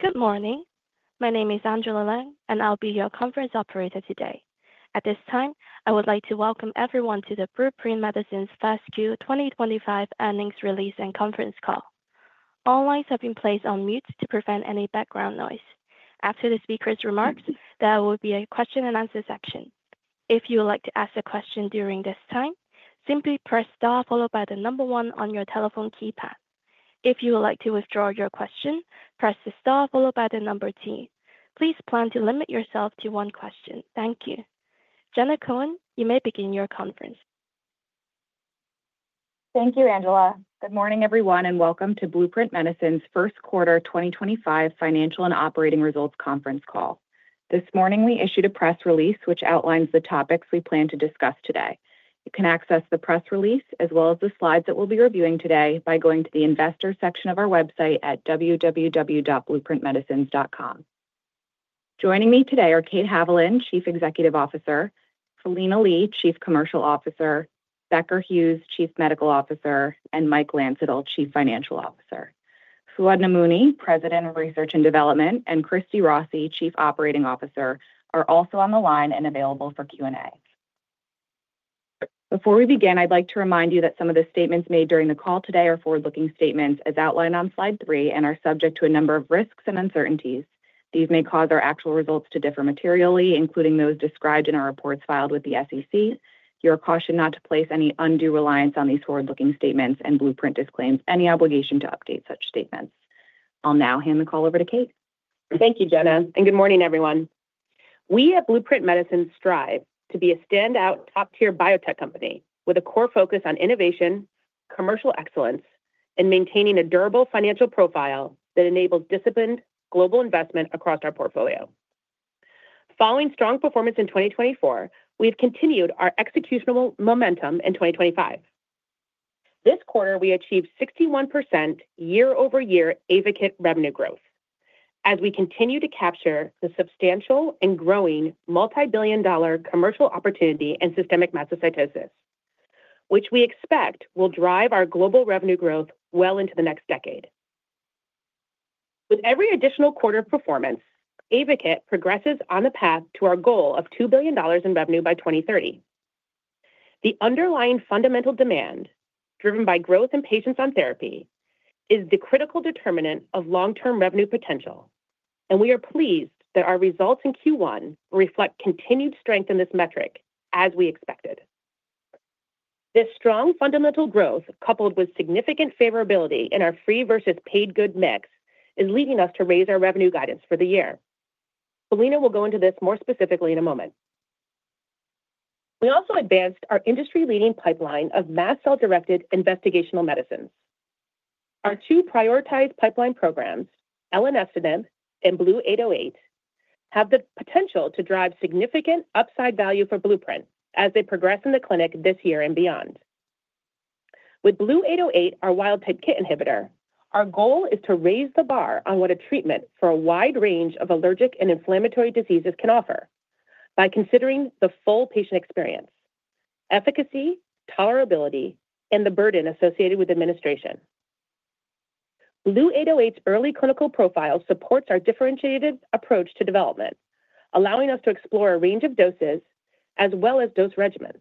Good morning. My name is Angela Lang, and I'll be your conference operator today. At this time, I would like to welcome everyone to the Blueprint Medicines first quarter 2025 earnings release and conference call. All lines have been placed on mute to prevent any background noise. After the speaker's remarks, there will be a question-and-answer section. If you would like to ask a question during this time, simply press Star, followed by the number 1 on your telephone keypad. If you would like to withdraw your question, press the Star, followed by the number two. Please plan to limit yourself to one question. Thank you. Jenna Cohen, you may begin your conference. Thank you, Angela. Good morning, everyone, and welcome to Blueprint Medicines' first quarter 2025 financial and operating results conference call. This morning, we issued a press release which outlines the topics we plan to discuss today. You can access the press release, as well as the slides that we'll be reviewing today, by going to the Investor section of our website at www.blueprintmedicines.com. Joining me today are Kate Haviland, Chief Executive Officer; Philina Lee, Chief Commercial Officer; Becker Hewes, Chief Medical Officer; and Mike Landsittel, Chief Financial Officer. Fouad Namouni, President of Research and Development, and Christy Rossi, Chief Operating Officer, are also on the line and available for Q&A. Before we begin, I'd like to remind you that some of the statements made during the call today are forward-looking statements, as outlined on Slide 3, and are subject to a number of risks and uncertainties. These may cause our actual results to differ materially, including those described in our reports filed with the SEC. You are cautioned not to place any undue reliance on these forward-looking statements, and Blueprint disclaims any obligation to update such statements. I'll now hand the call over to Kate. Thank you, Jenna. Good morning, everyone. We at Blueprint Medicines strive to be a standout, top tier biotech company with a core focus on innovation, commercial excellence, and maintaining a durable financial profile that enables disciplined global investment across our portfolio. Following strong performance in 2024, we have continued our executional momentum in 2025. This quarter, we achieved 61% year-over-year AYVAKIT revenue growth as we continue to capture the substantial and growing multibillion-dollar commercial opportunity in systemic mastocytosis, which we expect will drive our global revenue growth well into the next decade. With every additional quarter of performance, AYVAKIT progresses on the path to our goal of $2 billion in revenue by 2030. The underlying fundamental demand, driven by growth and patients on therapy, is the critical determinant of long-term revenue potential, and we are pleased that our results in Q1 reflect continued strength in this metric, as we expected. This strong fundamental growth, coupled with significant favorability in our free versus paid good mix, is leading us to raise our revenue guidance for the year. Philina will go into this more specifically in a moment. We also advanced our industry-leading pipeline of mast-cell-directed investigational medicines. Our two prioritized pipeline programs, elenestinib and BLU-808, have the potential to drive significant upside value for Blueprint Medicines as they progress in the clinic this year and beyond. With BLU-808, our wild-type KIT inhibitor, our goal is to raise the bar on what a treatment for a wide range of allergic and inflammatory diseases can offer by considering the full patient experience, efficacy, tolerability, and the burden associated with administration. BLU-808's early clinical profile supports our differentiated approach to development, allowing us to explore a range of doses as well as dose regimens.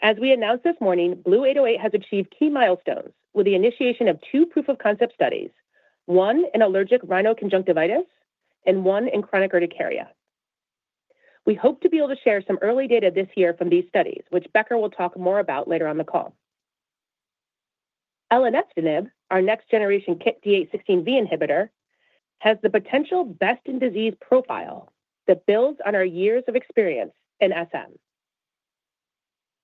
As we announced this morning, BLU-808 has achieved key milestones with the initiation of two proof-of-concept studies: one in allergic rhinoconjunctivitis and one in chronic urticaria. We hope to be able to share some early data this year from these studies, which Becker will talk more about later on the call. elenestinib, our next-generation KIT D816V inhibitor, has the potential best-in-disease profile that builds on our years of experience in SM.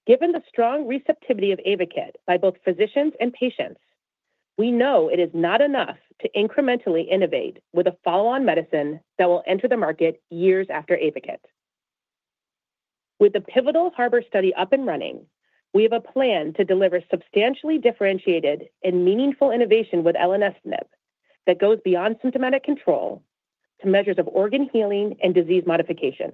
Given the strong receptivity of AYVAKIT by both physicians and patients, we know it is not enough to incrementally innovate with a follow-on medicine that will enter the market years after AYVAKIT. With the pivotal HARBOR study up and running, we have a plan to deliver substantially differentiated and meaningful innovation with elenestinib that goes beyond symptomatic control to measures of organ healing and disease modification.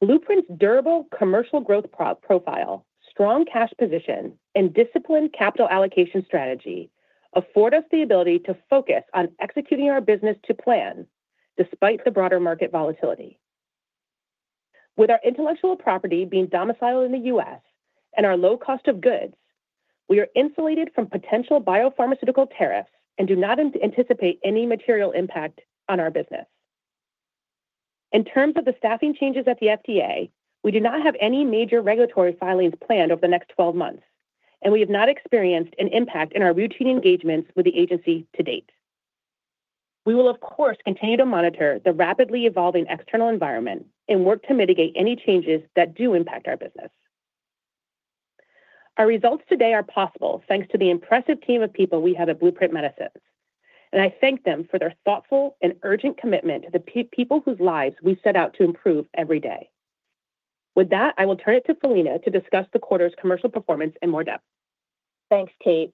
Blueprint's durable commercial growth profile, strong cash position, and disciplined capital allocation strategy afford us the ability to focus on executing our business to plan despite the broader market volatility. With our intellectual property being domiciled in the U.S. and our low cost of goods, we are insulated from potential biopharmaceutical tariffs and do not anticipate any material impact on our business. In terms of the staffing changes at the FDA, we do not have any major regulatory filings planned over the next 12 months, and we have not experienced an impact in our routine engagements with the agency to date. We will, of course, continue to monitor the rapidly evolving external environment and work to mitigate any changes that do impact our business. Our results today are possible thanks to the impressive team of people we have at Blueprint Medicines, and I thank them for their thoughtful and urgent commitment to the people whose lives we set out to improve every day. With that, I will turn it to Philina to discuss the quarter's commercial performance in more depth. Thanks, Kate.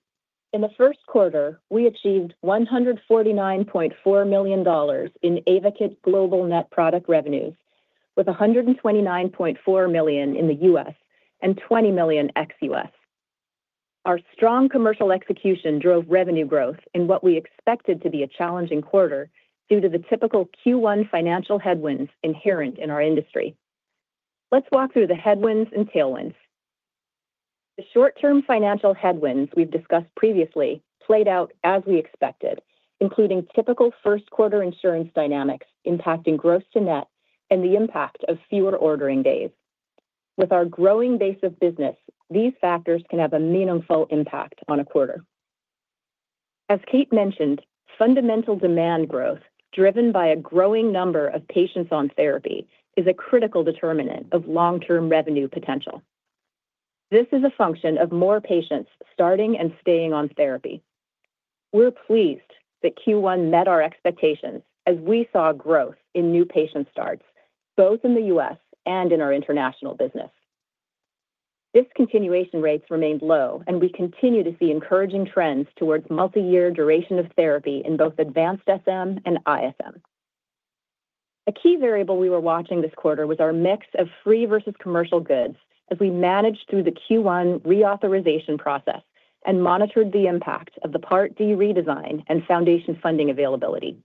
In the first quarter, we achieved $149.4 million in AYVAKIT's global net product revenues, with $129.4 million in the U.S. and $20 million ex-U.S. Our strong commercial execution drove revenue growth in what we expected to be a challenging quarter due to the typical Q1 financial headwinds inherent in our industry. Let's walk through the headwinds and tailwinds. The short-term financial headwinds we've discussed previously played out as we expected, including typical first-quarter insurance dynamics impacting gross to net and the impact of fewer ordering days. With our growing base of business, these factors can have a meaningful impact on a quarter. As Kate mentioned, fundamental demand growth driven by a growing number of patients on therapy is a critical determinant of long-term revenue potential. This is a function of more patients starting and staying on therapy. We're pleased that Q1 met our expectations as we saw growth in new patient starts, both in the U.S. and in our international business. Discontinuation rates remained low, and we continue to see encouraging trends towards multi-year duration of therapy in both advanced SM and ISM. A key variable we were watching this quarter was our mix of free versus commercial goods as we managed through the Q1 reauthorization process and monitored the impact of the Part D redesign and foundation funding availability.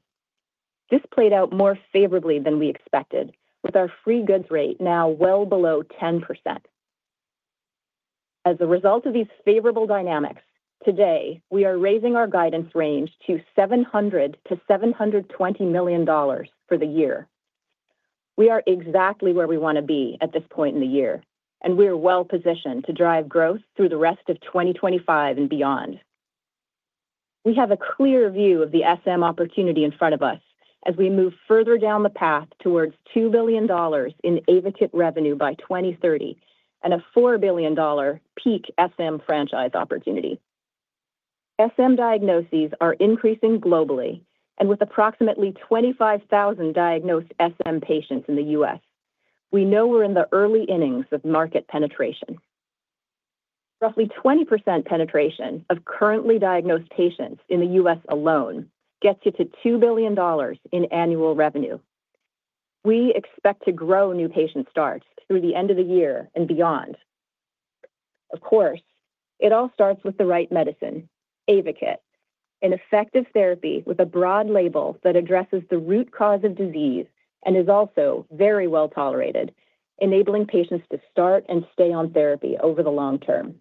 This played out more favorably than we expected, with our free goods rate now well below 10%. As a result of these favorable dynamics, today, we are raising our guidance range to $700-$720 million for the year. We are exactly where we want to be at this point in the year, and we are well-positioned to drive growth through the rest of 2025 and beyond. We have a clear view of the SM opportunity in front of us as we move further down the path towards $2 billion in AYVAKIT revenue by 2030 and a $4 billion peak SM franchise opportunity. SM diagnoses are increasing globally, and with approximately 25,000 diagnosed SM patients in the U.S., we know we're in the early innings of market penetration. Roughly 20% penetration of currently diagnosed patients in the U.S. alone gets you to $2 billion in annual revenue. We expect to grow new patient starts through the end of the year and beyond. Of course, it all starts with the right medicine, AYVAKIT, an effective therapy with a broad label that addresses the root cause of disease and is also very well tolerated, enabling patients to start and stay on therapy over the long term.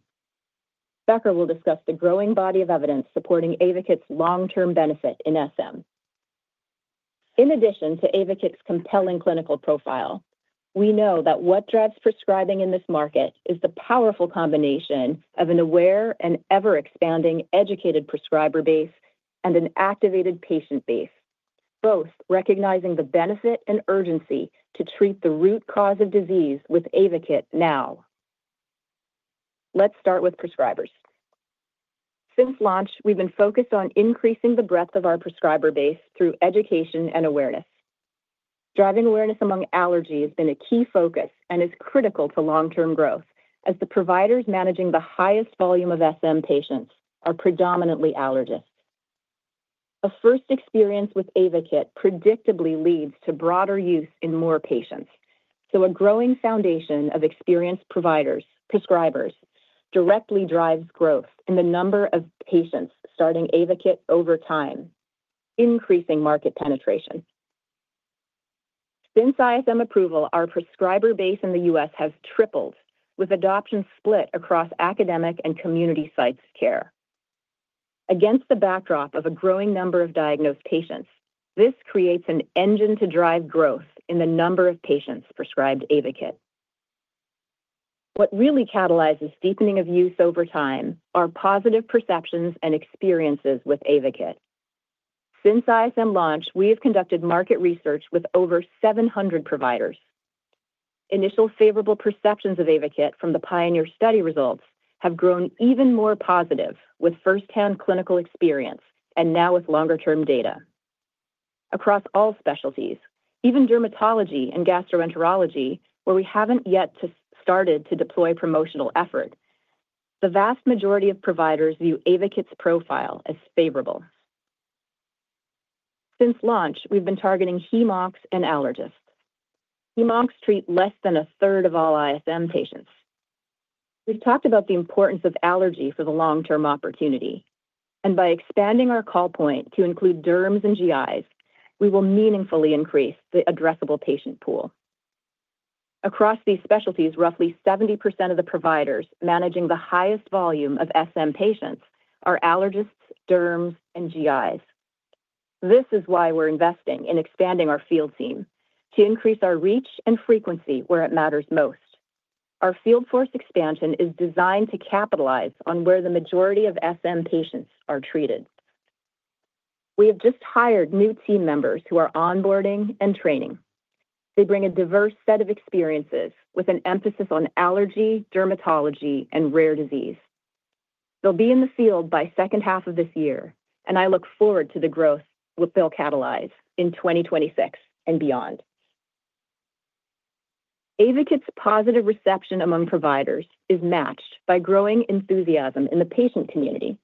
Becker will discuss the growing body of evidence supporting AYVAKIT's long-term benefit in SM. In addition to AYVAKIT's compelling clinical profile, we know that what drives prescribing in this market is the powerful combination of an aware and ever-expanding educated prescriber base and an activated patient base, both recognizing the benefit and urgency to treat the root cause of disease with AYVAKIT now. Let's start with prescribers. Since launch, we've been focused on increasing the breadth of our prescriber base through education and awareness. Driving awareness among allergy has been a key focus and is critical to long-term growth, as the providers managing the highest volume of SM patients are predominantly allergists. A first experience with AYVAKIT predictably leads to broader use in more patients, so a growing foundation of experienced providers/prescribers directly drives growth in the number of patients starting AYVAKIT over time, increasing market penetration. Since ISM approval, our prescriber base in the U.S. has tripled, with adoption split across academic and community sites of care. Against the backdrop of a growing number of diagnosed patients, this creates an engine to drive growth in the number of patients prescribed AYVAKIT. What really catalyzes deepening of use over time are positive perceptions and experiences with AYVAKIT. Since ISM launch, we have conducted market research with over 700 providers. Initial favorable perceptions of AYVAKIT from the PIONEER study results have grown even more positive with firsthand clinical experience and now with longer-term data. Across all specialties, even dermatology and gastroenterology, where we have not yet started to deploy promotional effort, the vast majority of providers view AYVAKIT's profile as favorable. Since launch, we have been targeting Hem/Oncs and allergists. Hem/Oncs treat less than a third of all ISM patients. We've talked about the importance of allergy for the long-term opportunity, and by expanding our call point to include derms and GIs, we will meaningfully increase the addressable patient pool. Across these specialties, roughly 70% of the providers managing the highest volume of SM patients are allergists, derms, and GIs. This is why we're investing in expanding our field team to increase our reach and frequency where it matters most. Our field force expansion is designed to capitalize on where the majority of SM patients are treated. We have just hired new team members who are onboarding and training. They bring a diverse set of experiences with an emphasis on allergy, dermatology, and rare disease. They'll be in the field by the second half of this year, and I look forward to the growth we'll still catalyze in 2026 and beyond. AYVAKIT's positive reception among providers is matched by growing enthusiasm in the patient community.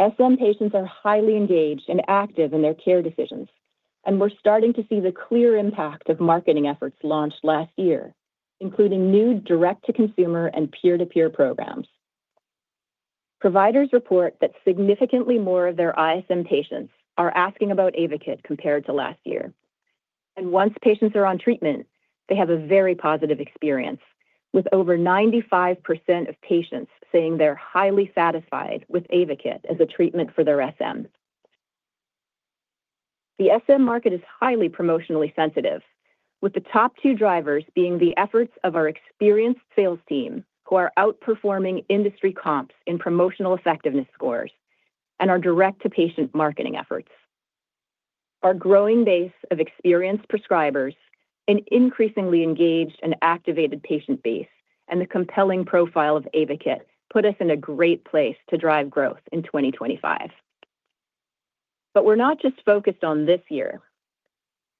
SM patients are highly engaged and active in their care decisions, and we're starting to see the clear impact of marketing efforts launched last year, including new direct-to-consumer and peer-to-peer programs. Providers report that significantly more of their ISM patients are asking about AYVAKIT compared to last year, and once patients are on treatment, they have a very positive experience, with over 95% of patients saying they're highly satisfied with AYVAKIT as a treatment for their SM. The SM market is highly promotionally sensitive, with the top two drivers being the efforts of our experienced sales team, who are outperforming industry comps in promotional effectiveness scores, and our direct-to-patient marketing efforts. Our growing base of experienced prescribers, an increasingly engaged and activated patient base, and the compelling profile of AYVAKIT put us in a great place to drive growth in 2025. We are not just focused on this year.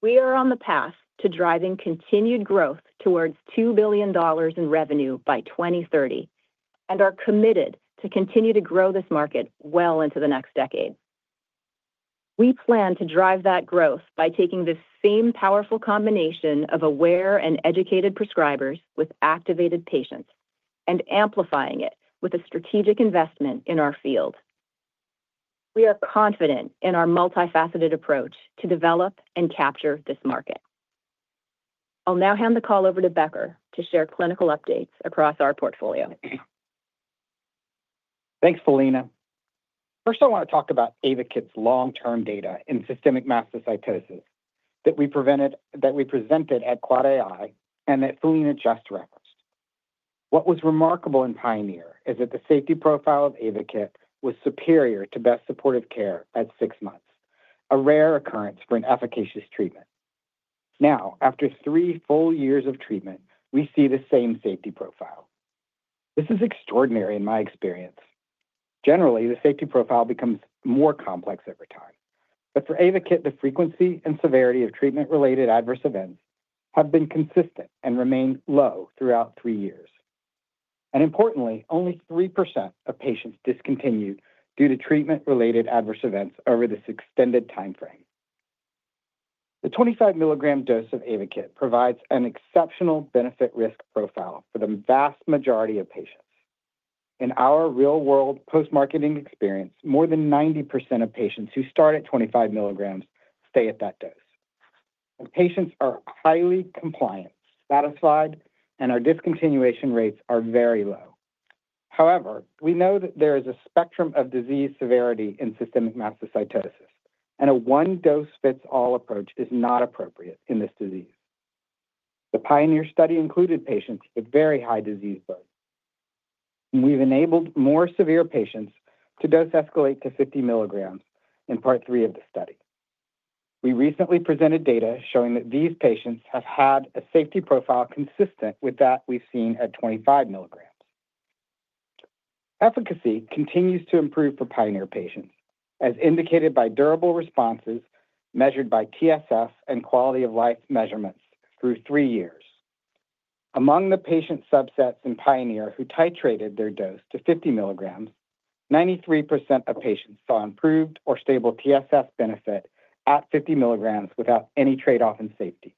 We are on the path to driving continued growth towards $2 billion in revenue by 2030 and are committed to continue to grow this market well into the next decade. We plan to drive that growth by taking this same powerful combination of aware and educated prescribers with activated patients and amplifying it with a strategic investment in our field. We are confident in our multifaceted approach to develop and capture this market. I'll now hand the call over to Becker to share clinical updates across our portfolio. Thanks, Philina. First, I want to talk about AYVAKIT's long-term data in systemic mastocytosis that we presented at AAAAI and that Philina just referenced. What was remarkable in PIONEER is that the safety profile of AYVAKIT was superior to best supportive care at six months, a rare occurrence for an efficacious treatment. Now, after three full years of treatment, we see the same safety profile. This is extraordinary in my experience. Generally, the safety profile becomes more complex over time, but for AYVAKIT, the frequency and severity of treatment-related adverse events have been consistent and remain low throughout three years. Importantly, only 3% of patients discontinued due to treatment-related adverse events over this extended timeframe. The 25 mg dose of AYVAKIT provides an exceptional benefit-risk profile for the vast majority of patients. In our real-world post-marketing experience, more than 90% of patients who start at 25 milligrams stay at that dose. Patients are highly compliant, satisfied, and our discontinuation rates are very low. However, we know that there is a spectrum of disease severity in systemic mastocytosis, and a one-dose-fits-all approach is not appropriate in this disease. The PIONEER study included patients with very high disease loads. We've enabled more severe patients to dose escalate to 50 milligrams in part three of the study. We recently presented data showing that these patients have had a safety profile consistent with that we've seen at 25 milligrams. Efficacy continues to improve for PIONEER patients, as indicated by durable responses measured by TSS and quality-of-life measurements through three years. Among the patient subsets in PIONEER who titrated their dose to 50 mg, 93% of patients saw improved or stable TSS benefit at 50 mg without any trade-off in safety.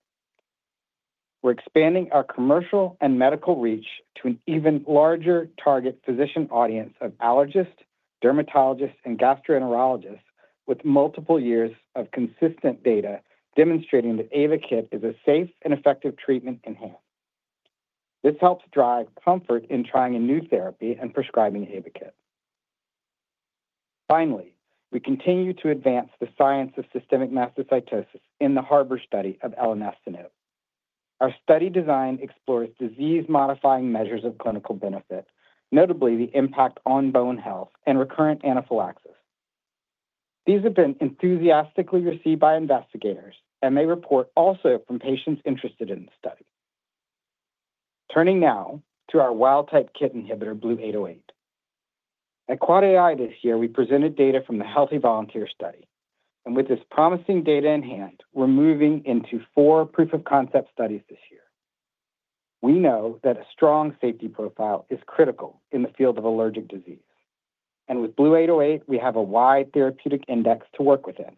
We're expanding our commercial and medical reach to an even larger target physician audience of allergists, dermatologists, and gastroenterologists with multiple years of consistent data demonstrating that AYVAKIT is a safe and effective treatment in hand. This helps drive comfort in trying a new therapy and prescribing AYVAKIT. Finally, we continue to advance the science of systemic mastocytosis in the HARBOR study of elenestinib. Our study design explores disease-modifying measures of clinical benefit, notably the impact on bone health and recurrent anaphylaxis. These have been enthusiastically received by investigators and may report also from patients interested in the study. Turning now to our wild-type KIT inhibitor, BLU-808. At AAAAI this year, we presented data from the healthy volunteer study, and with this promising data in hand, we're moving into four proof-of-concept studies this year. We know that a strong safety profile is critical in the field of allergic disease, and with BLU-808, we have a wide therapeutic index to work within.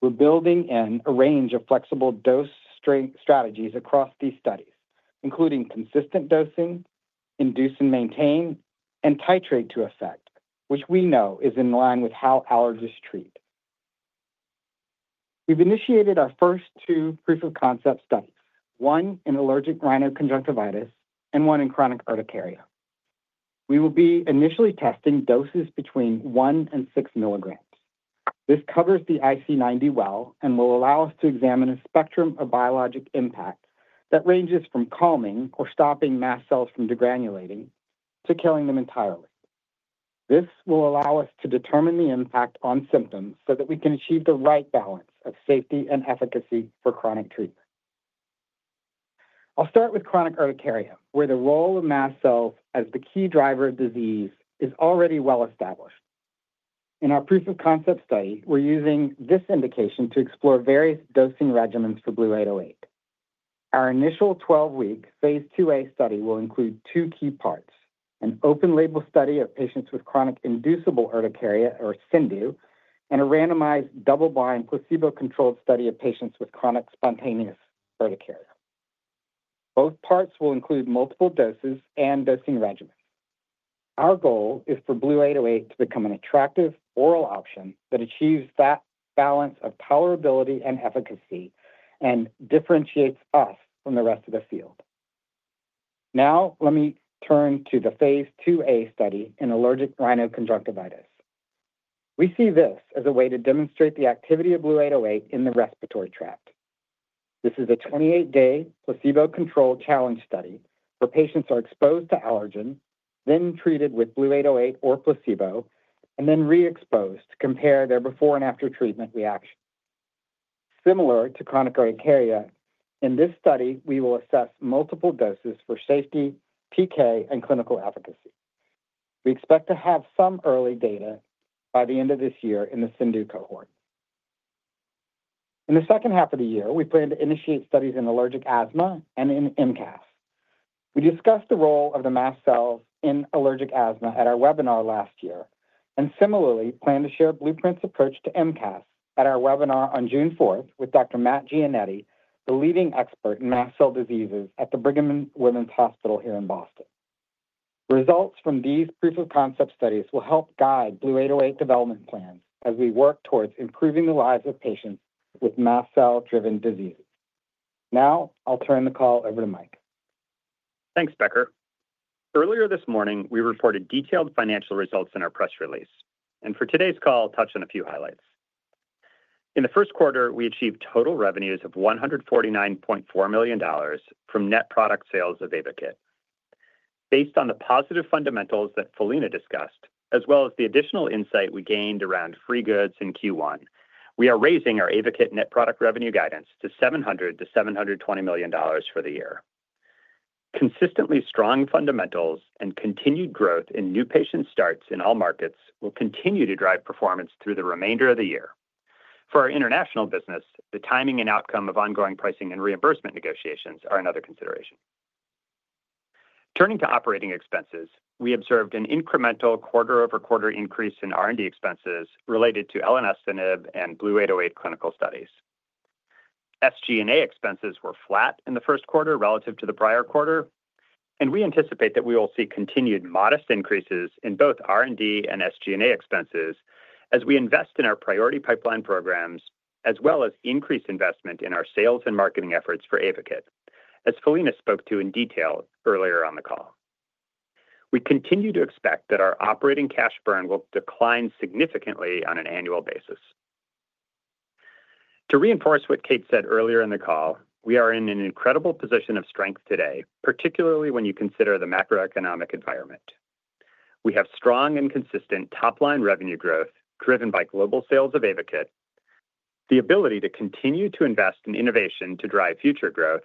We're building in a range of flexible dose strategies across these studies, including consistent dosing, induce and maintain, and titrate to effect, which we know is in line with how allergists treat. We've initiated our first two proof-of-concept studies, one in allergic rhinoconjunctivitis and one in chronic urticaria. We will be initially testing doses between 1 and 6 milligrams. This covers the IC90 well and will allow us to examine a spectrum of biologic impact that ranges from calming or stopping mast cells from degranulating to killing them entirely. This will allow us to determine the impact on symptoms so that we can achieve the right balance of safety and efficacy for chronic treatment. I'll start with chronic urticaria, where the role of mast cells as the key driver of disease is already well established. In our proof-of-concept study, we're using this indication to explore various dosing regimens for BLU-808. Our initial 12-week Phase 2A study will include two key parts: an open-label study of patients with chronic inducible urticaria, or CIndU, and a randomized double-blind placebo-controlled study of patients with chronic spontaneous urticaria. Both parts will include multiple doses and dosing regimens. Our goal is for BLU-808 to become an attractive oral option that achieves that balance of tolerability and efficacy and differentiates us from the rest of the field. Now, let me turn to the Phase 2A study in allergic rhinoconjunctivitis. We see this as a way to demonstrate the activity of BLU-808 in the respiratory tract. This is a 28-day placebo-controlled challenge study where patients are exposed to allergen, then treated with BLU-808 or placebo, and then re-exposed to compare their before-and-after treatment reaction. Similar to chronic urticaria, in this study, we will assess multiple doses for safety, PK, and clinical efficacy. We expect to have some early data by the end of this year in the CIndU cohort. In the second half of the year, we plan to initiate studies in allergic asthma and in MCAS. We discussed the role of the mast cells in allergic asthma at our webinar last year and similarly plan to share Blueprint's approach to MCAS at our webinar on June 4th with Dr. MacGinnitie, the leading expert in mast cell diseases at the Brigham and Women's Hospital here in Boston. Results from these proof-of-concept studies will help guide BLU-808 development plans as we work towards improving the lives of patients with mast cell-driven diseases. Now, I'll turn the call over to Mike. Thanks, Becker. Earlier this morning, we reported detailed financial results in our press release, and for today's call, I'll touch on a few highlights. In the first quarter, we achieved total revenues of $149.4 million from net product sales of AYVAKIT. Based on the positive fundamentals that Philina discussed, as well as the additional insight we gained around free goods in Q1, we are raising our AYVAKIT net product revenue guidance to $700-$720 million for the year. Consistently strong fundamentals and continued growth in new patient starts in all markets will continue to drive performance through the remainder of the year. For our international business, the timing and outcome of ongoing pricing and reimbursement negotiations are another consideration. Turning to operating expenses, we observed an incremental quarter-over-quarter increase in R&D expenses related to elenestinib and BLU-808 clinical studies. SG&A expenses were flat in the first quarter relative to the prior quarter, and we anticipate that we will see continued modest increases in both R&D and SG&A expenses as we invest in our priority pipeline programs, as well as increase investment in our sales and marketing efforts for AYVAKIT, as Philina spoke to in detail earlier on the call. We continue to expect that our operating cash burn will decline significantly on an annual basis. To reinforce what Kate said earlier in the call, we are in an incredible position of strength today, particularly when you consider the macroeconomic environment. We have strong and consistent top-line revenue growth driven by global sales of AYVAKIT, the ability to continue to invest in innovation to drive future growth,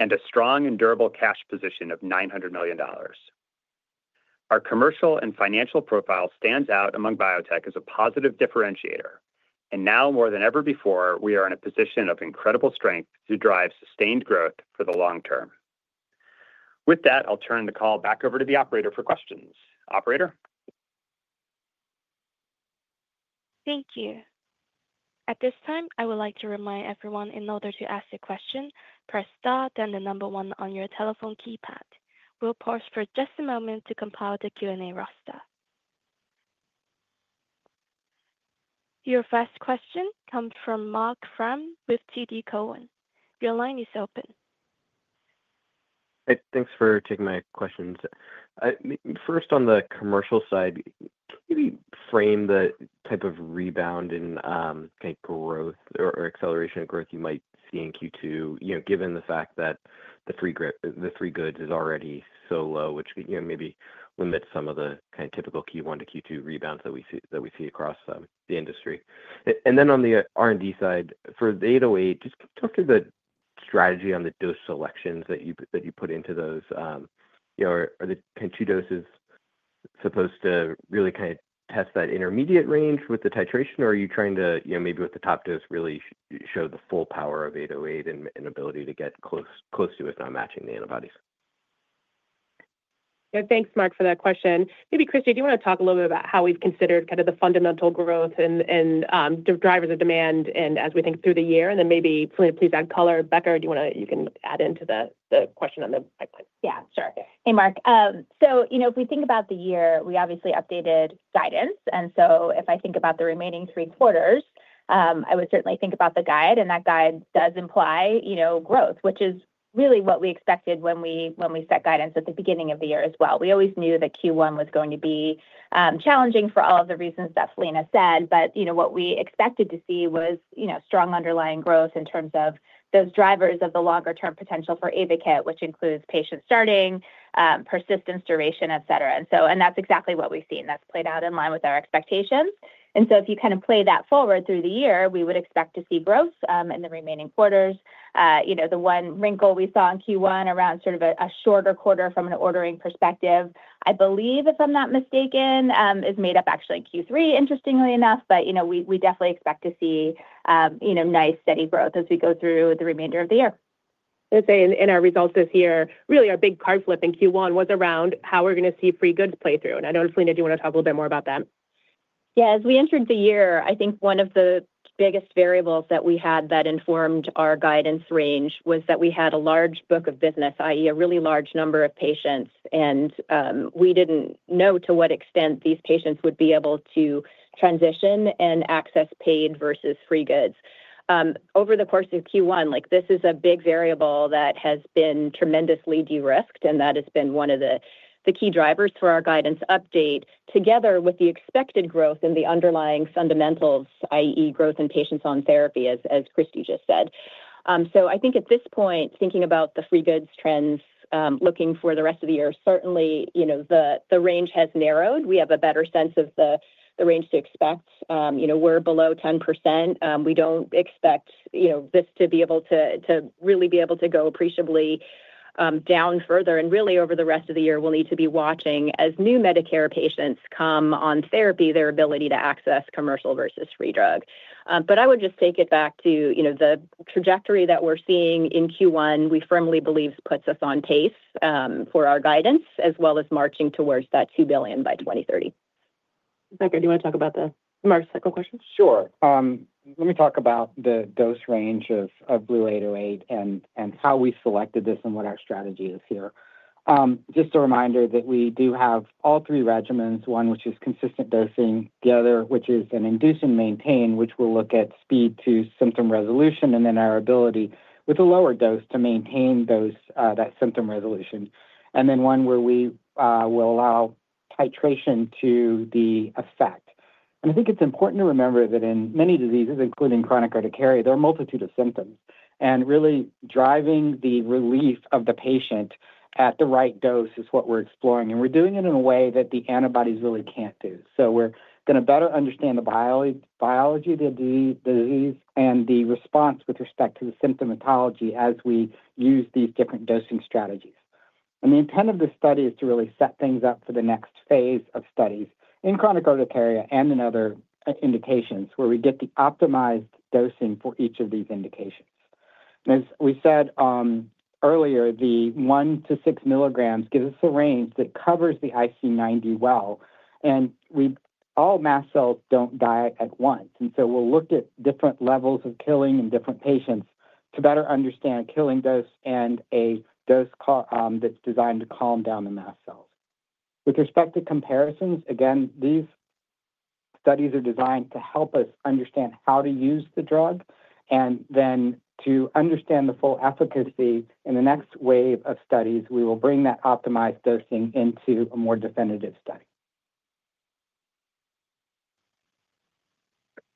and a strong and durable cash position of $900 million. Our commercial and financial profile stands out among biotech as a positive differentiator, and now more than ever before, we are in a position of incredible strength to drive sustained growth for the long term. With that, I'll turn the call back over to the operator for questions. Operator. Thank you. At this time, I would like to remind everyone in order to ask a question, press star then the number one on your telephone keypad. We'll pause for just a moment to compile the Q&A roster. Your first question comes from Marc Frahm with TD Cowen. Your line is open. Hey, thanks for taking my questions. First, on the commercial side, can you frame the type of rebound in kind of growth or acceleration of growth you might see in Q2, given the fact that the free goods is already so low, which maybe limits some of the kind of typical Q1 to Q2 rebounds that we see across the industry? On the R&D side, for the 808, just talk to the strategy on the dose selections that you put into those. Are the kind of two doses supposed to really kind of test that intermediate range with the titration, or are you trying to maybe with the top dose really show the full power of 808 and ability to get close to it without matching the antibodies? Thanks, Mark, for that question. Maybe, Christy, do you want to talk a little bit about how we've considered kind of the fundamental growth and drivers of demand as we think through the year? Maybe, please add color. Becker, you can add into the question on the pipeline. Yeah, sure. Hey, Mark. If we think about the year, we obviously updated guidance. If I think about the remaining three quarters, I would certainly think about the guide, and that guide does imply growth, which is really what we expected when we set guidance at the beginning of the year as well. We always knew that Q1 was going to be challenging for all of the reasons that Philina said, but what we expected to see was strong underlying growth in terms of those drivers of the longer-term potential for AYVAKIT, which includes patient starting, persistence, duration, etc. That's exactly what we've seen. That's played out in line with our expectations. If you kind of play that forward through the year, we would expect to see growth in the remaining quarters. The one wrinkle we saw in Q1 around sort of a shorter quarter from an ordering perspective, I believe, if I'm not mistaken, is made up actually in Q3, interestingly enough, but we definitely expect to see nice, steady growth as we go through the remainder of the year. I'd say in our results this year, really our big card flip in Q1 was around how we're going to see free goods play through. I know, Philina, do you want to talk a little bit more about that? Yeah. As we entered the year, I think one of the biggest variables that we had that informed our guidance range was that we had a large book of business, i.e., a really large number of patients, and we didn't know to what extent these patients would be able to transition and access paid versus free goods. Over the course of Q1, this is a big variable that has been tremendously de-risked, and that has been one of the key drivers for our guidance update, together with the expected growth in the underlying fundamentals, i.e., growth in patients on therapy, as Christy just said. I think at this point, thinking about the free goods trends, looking for the rest of the year, certainly the range has narrowed. We have a better sense of the range to expect. We're below 10%. We don't expect this to be able to really be able to go appreciably down further. Over the rest of the year, we'll need to be watching as new Medicare patients come on therapy, their ability to access commercial versus free drug. I would just take it back to the trajectory that we're seeing in Q1, we firmly believe puts us on pace for our guidance, as well as marching towards that $2 billion by 2030. Becker, do you want to talk about the Mark, second question? Sure. Let me talk about the dose range of BLU-808 and how we selected this and what our strategy is here. Just a reminder that we do have all three regimens, one which is consistent dosing, the other which is an induce and maintain, which will look at speed to symptom resolution, and then our ability with a lower dose to maintain that symptom resolution, and then one where we will allow titration to the effect. I think it's important to remember that in many diseases, including chronic urticaria, there are a multitude of symptoms, and really driving the relief of the patient at the right dose is what we're exploring. We're doing it in a way that the antibodies really can't do. We're going to better understand the biology of the disease and the response with respect to the symptomatology as we use these different dosing strategies. The intent of this study is to really set things up for the next phase of studies in chronic urticaria and in other indications where we get the optimized dosing for each of these indications. As we said earlier, the 1-6 milligrams gives us a range that covers the IC90 well, and all mast cells do not die at once. We will look at different levels of killing in different patients to better understand killing dose and a dose that is designed to calm down the mast cells. With respect to comparisons, again, these studies are designed to help us understand how to use the drug, and then to understand the full efficacy. In the next wave of studies, we will bring that optimized dosing into a more definitive study.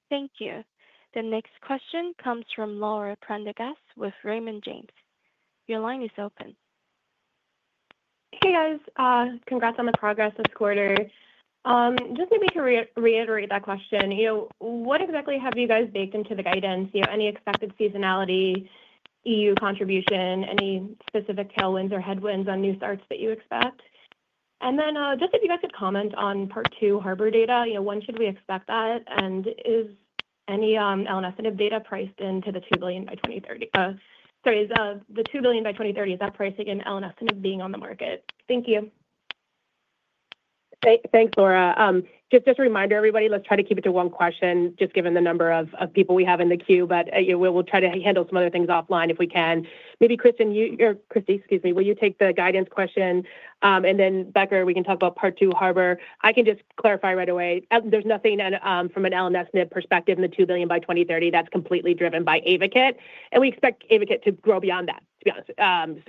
Thank you. The next question comes from Laura Prendergast with Raymond James. Your line is open. Hey, guys. Congrats on the progress this quarter. Just maybe to reiterate that question, what exactly have you guys baked into the guidance? Any expected seasonality, EU contribution, any specific tailwinds or headwinds on new starts that you expect? If you guys could comment on part two HARBOR data, when should we expect that? Is any elenestinib data priced into the $2 billion by 2030? Sorry, the $2 billion by 2030, is that pricing in elenestinib being on the market? Thank you. Thanks, Laura. Just a reminder, everybody, let's try to keep it to one question, just given the number of people we have in the queue, but we'll try to handle some other things offline if we can. Maybe Christy, excuse me, will you take the guidance question? And then Becker, we can talk about part two HARBOR. I can just clarify right away. There's nothing from an elenestinib perspective in the $2 billion by 2030, that's completely driven by AYVAKIT, and we expect AYVAKIT to grow beyond that, to be honest.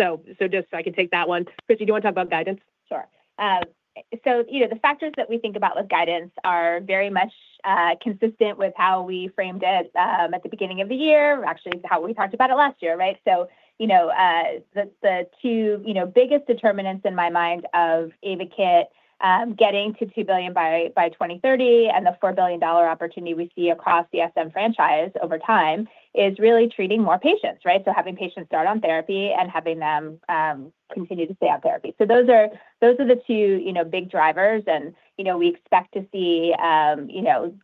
Just so I can take that one. Christy, do you want to talk about guidance? Sure. The factors that we think about with guidance are very much consistent with how we framed it at the beginning of the year, actually how we talked about it last year, right? The two biggest determinants in my mind of AYVAKIT getting to $2 billion by 2030 and the $4 billion opportunity we see across the SM franchise over time is really treating more patients, right? Having patients start on therapy and having them continue to stay on therapy. Those are the two big drivers, and we expect to see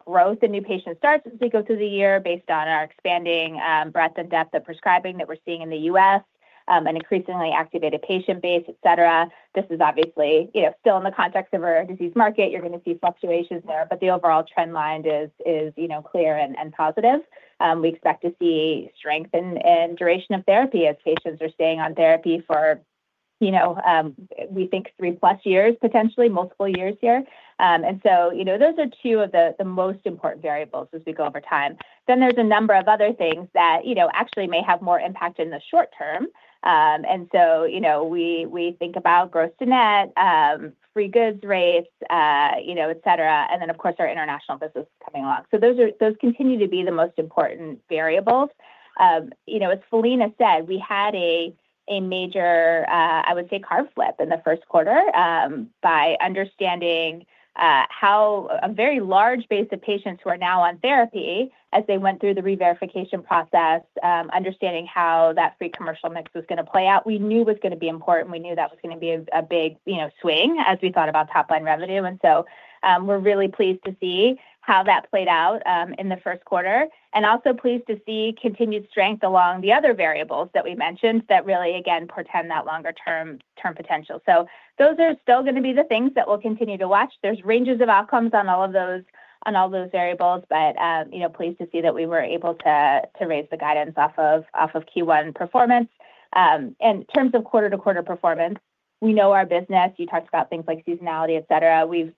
growth in new patient starts as we go through the year based on our expanding breadth and depth of prescribing that we're seeing in the U.S. and increasingly activated patient base, etc. This is obviously still in the context of our disease market. You're going to see fluctuations there, but the overall trend line is clear and positive. We expect to see strength in duration of therapy as patients are staying on therapy for, we think, three-plus years, potentially multiple years here. Those are two of the most important variables as we go over time. There is a number of other things that actually may have more impact in the short term. We think about gross to net, free goods rates, etc., and then, of course, our international business coming along. Those continue to be the most important variables. As Philina said, we had a major, I would say, card flip in the first quarter by understanding how a very large base of patients who are now on therapy, as they went through the re-verification process, understanding how that free commercial mix was going to play out. We knew it was going to be important. We knew that was going to be a big swing as we thought about top-line revenue. We are really pleased to see how that played out in the first quarter and also pleased to see continued strength along the other variables that we mentioned that really, again, portend that longer-term potential. Those are still going to be the things that we'll continue to watch. There are ranges of outcomes on all of those variables, but pleased to see that we were able to raise the guidance off of Q1 performance. In terms of quarter-to-quarter performance, we know our business. You talked about things like seasonality, etc. We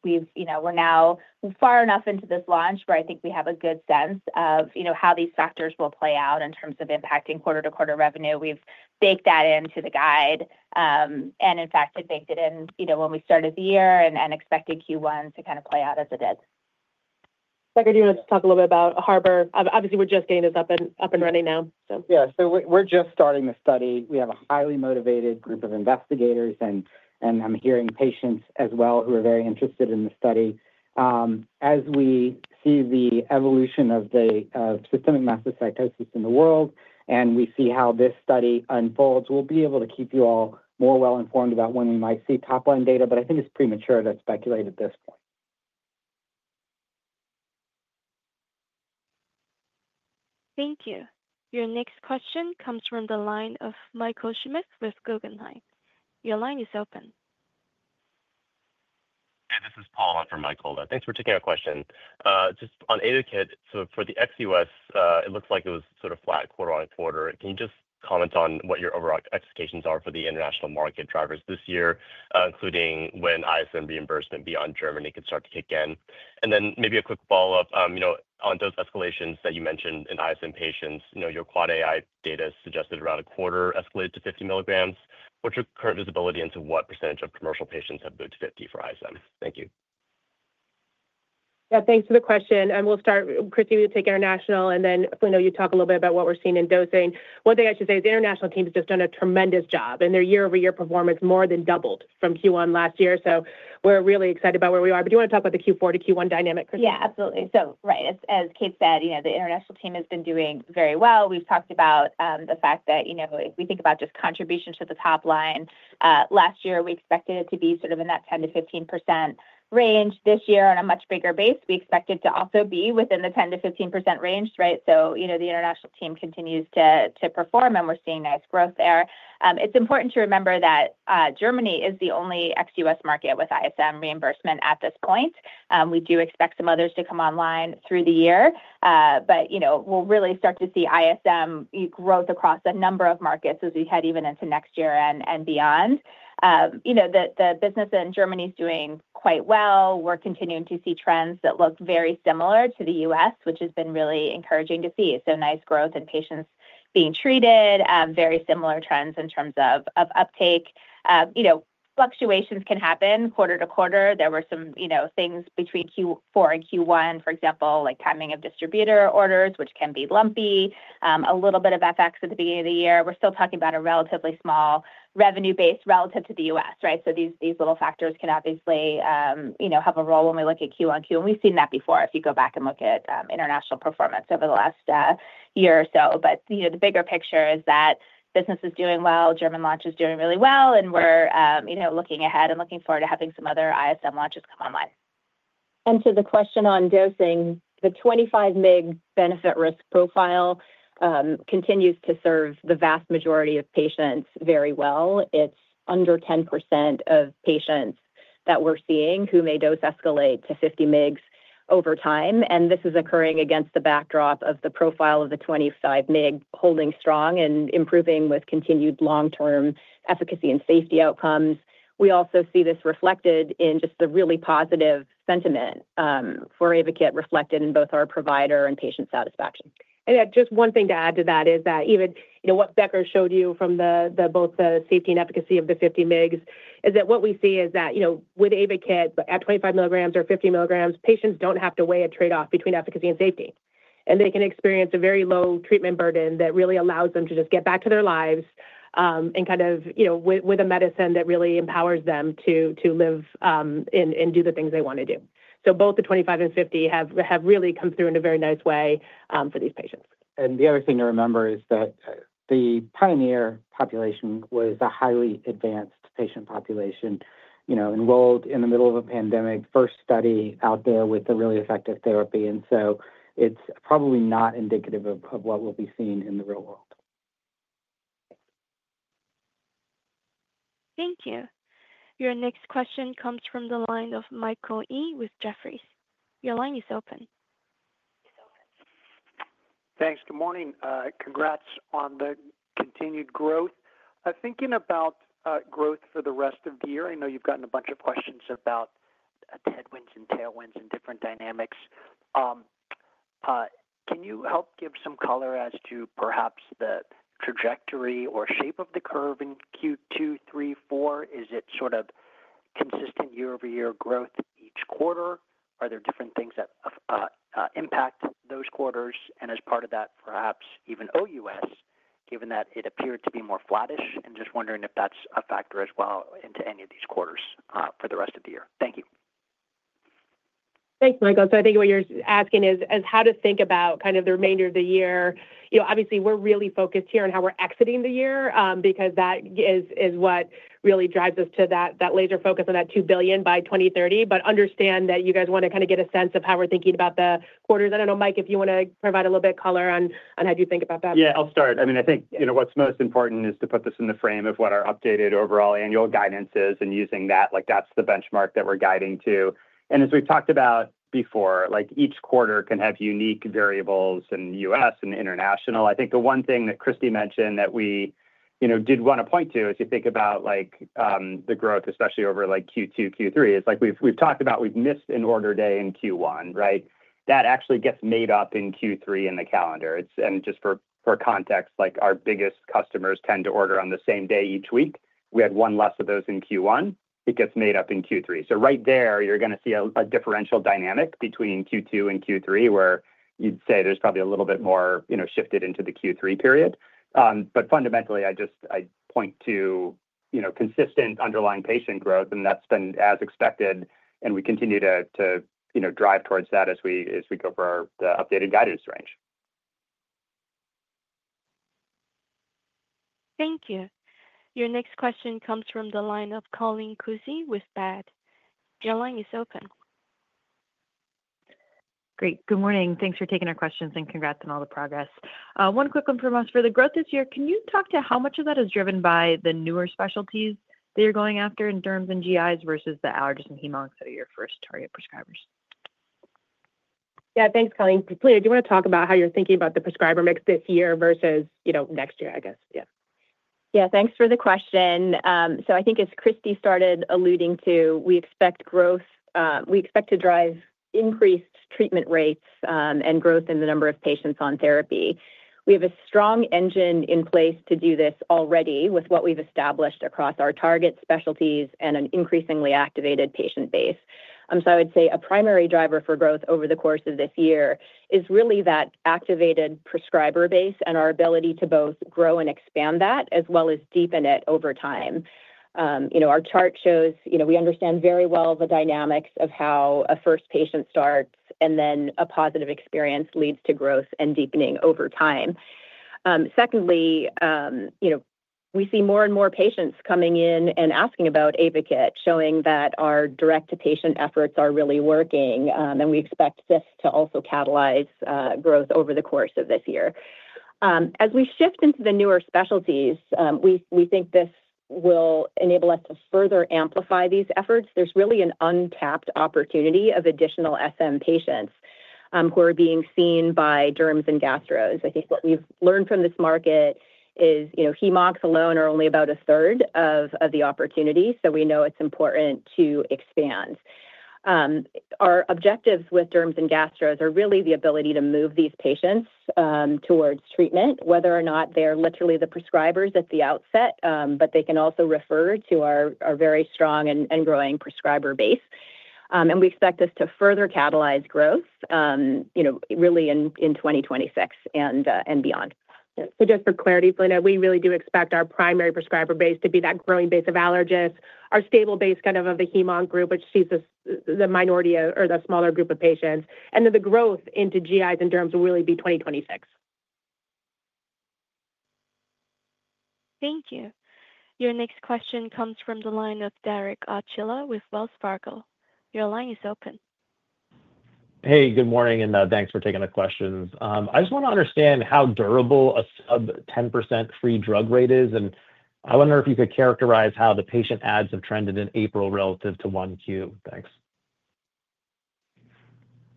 are now far enough into this launch where I think we have a good sense of how these factors will play out in terms of impacting quarter-to-quarter revenue. We've baked that into the guide, and in fact, we baked it in when we started the year and expected Q1 to kind of play out as it did. Becker, do you want to just talk a little bit about HARBOR? Obviously, we're just getting this up and running now, so. Yeah. We are just starting the study. We have a highly motivated group of investigators, and I am hearing patients as well who are very interested in the study. As we see the evolution of the systemic mastocytosis in the world and we see how this study unfolds, we will be able to keep you all more well-informed about when we might see top-line data, but I think it is premature to speculate at this point. Thank you. Your next question comes from the line of Michael Schmidt with Guggenheim. Your line is open. Hey, this is Paul. I'm from Michael. Thanks for taking our question. Just on AYVAKIT, for the ex-U.S., it looks like it was sort of flat quarter on quarter. Can you just comment on what your overall expectations are for the international market drivers this year, including when ISM reimbursement beyond Germany could start to kick in? Maybe a quick follow-up on those escalations that you mentioned in ISM patients. Your AAAAI data suggested around a quarter escalated to 50 milligrams. What's your current visibility into what percentage of commercial patients have moved to 50 for ISM? Thank you. Yeah, thanks for the question. We'll start, Christy, we'll take international, and then Philina, talk a little bit about what we're seeing in dosing. One thing I should say is the international team has just done a tremendous job, and their year-over-year performance more than doubled from Q1 last year. We are really excited about where we are. Do you want to talk about the Q4 to Q1 dynamic, Christy? Yeah, absolutely. Right, as Kate said, the international team has been doing very well. We've talked about the fact that if we think about just contributions to the top line, last year, we expected it to be sort of in that 10-15% range. This year, on a much bigger base, we expected to also be within the 10-15% range, right? The international team continues to perform, and we're seeing nice growth there. It's important to remember that Germany is the only ex-U.S. market with ISM reimbursement at this point. We do expect some others to come online through the year, but we'll really start to see ISM growth across a number of markets as we head even into next year and beyond. The business in Germany is doing quite well. We're continuing to see trends that look very similar to the U.S., which has been really encouraging to see. Nice growth in patients being treated, very similar trends in terms of uptake. Fluctuations can happen quarter to quarter. There were some things between Q4 and Q1, for example, like timing of distributor orders, which can be lumpy, a little bit of FX at the beginning of the year. We're still talking about a relatively small revenue base relative to the U.S., right? These little factors can obviously have a role when we look at Q1, Q2. We have seen that before if you go back and look at international performance over the last year or so. The bigger picture is that business is doing well, German launch is doing really well, and we're looking ahead and looking forward to having some other ISM launches come online. To the question on dosing, the 25 mg benefit risk profile continues to serve the vast majority of patients very well. It's under 10% of patients that we're seeing whose dose escalates to 50 mg over time. This is occurring against the backdrop of the profile of the 25 mg holding strong and improving with continued long-term efficacy and safety outcomes. We also see this reflected in just the really positive sentiment for AYVAKIT reflected in both our provider and patient satisfaction. Just one thing to add to that is that even what Becker showed you from both the safety and efficacy of the 50 mg is that what we see is that with AYVAKIT at 25 milligrams or 50 milligrams, patients don't have to weigh a trade-off between efficacy and safety. They can experience a very low treatment burden that really allows them to just get back to their lives and kind of with a medicine that really empowers them to live and do the things they want to do. Both the 25 and 50 have really come through in a very nice way for these patients. The other thing to remember is that the PIONEER population was a highly advanced patient population enrolled in the middle of a pandemic, first study out there with a really effective therapy. It is probably not indicative of what we'll be seeing in the real world. Thank you. Your next question comes from the line of Michael Yee with Jefferies. Your line is open. Thanks. Good morning. Congrats on the continued growth. Thinking about growth for the rest of the year, I know you've gotten a bunch of questions about headwinds and tailwinds and different dynamics. Can you help give some color as to perhaps the trajectory or shape of the curve in Q2, Q3, Q4? Is it sort of consistent year-over-year growth each quarter? Are there different things that impact those quarters? As part of that, perhaps even OUS, given that it appeared to be more flattish, and just wondering if that's a factor as well into any of these quarters for the rest of the year. Thank you. Thanks, Michael. I think what you're asking is how to think about kind of the remainder of the year. Obviously, we're really focused here on how we're exiting the year because that is what really drives us to that laser focus on that $2 billion by 2030. I understand that you guys want to kind of get a sense of how we're thinking about the quarters. I don't know, Mike, if you want to provide a little bit of color on how you think about that. Yeah, I'll start. I mean, I think what's most important is to put this in the frame of what our updated overall annual guidance is and using that. That's the benchmark that we're guiding to. As we've talked about before, each quarter can have unique variables in the U.S. and international. I think the one thing that Christy mentioned that we did want to point to as you think about the growth, especially over Q2, Q3, is we've talked about we've missed an order day in Q1, right? That actually gets made up in Q3 in the calendar. Just for context, our biggest customers tend to order on the same day each week. We had one less of those in Q1. It gets made up in Q3. Right there, you're going to see a differential dynamic between Q2 and Q3 where you'd say there's probably a little bit more shifted into the Q3 period. Fundamentally, I point to consistent underlying patient growth, and that's been as expected. We continue to drive towards that as we go for the updated guidance range. Thank you. Your next question comes from the line of Colleen Kusy with Baird. Your line is open. Great. Good morning. Thanks for taking our questions and congrats on all the progress. One quick one from us. For the growth this year, can you talk to how much of that is driven by the newer specialties that you're going after in derms and GIs versus the allergists and hematologists that are your first target prescribers? Yeah, thanks, Colleen. Philina, do you want to talk about how you're thinking about the prescriber mix this year versus next year, I guess? Yeah. Yeah, thanks for the question. I think, as Christy started alluding to, we expect growth. We expect to drive increased treatment rates and growth in the number of patients on therapy. We have a strong engine in place to do this already with what we've established across our target specialties and an increasingly activated patient base. I would say a primary driver for growth over the course of this year is really that activated prescriber base and our ability to both grow and expand that as well as deepen it over time. Our chart shows we understand very well the dynamics of how a first patient starts and then a positive experience leads to growth and deepening over time. Secondly, we see more and more patients coming in and asking about AYVAKIT, showing that our direct-to-patient efforts are really working, and we expect this to also catalyze growth over the course of this year. As we shift into the newer specialties, we think this will enable us to further amplify these efforts. There is really an untapped opportunity of additional SM patients who are being seen by derms and gastros. I think what we have learned from this market is Hem/Oncs alone are only about a third of the opportunity, so we know it is important to expand. Our objectives with derms and gastros are really the ability to move these patients towards treatment, whether or not they are literally the prescribers at the outset, but they can also refer to our very strong and growing prescriber base. We expect this to further catalyze growth really in 2026 and beyond. For clarity, Philina, we really do expect our primary prescriber base to be that growing base of allergists, our stable base kind of of the Hem/Oncs group, which sees the minority or the smaller group of patients. The growth into GIs and derms will really be 2026. Thank you. Your next question comes from the line of Derek Archila with Wells Fargo. Your line is open. Hey, good morning, and thanks for taking the questions. I just want to understand how durable a sub-10% free drug rate is. I wonder if you could characterize how the patient ads have trended in April relative to 1Q. Thanks.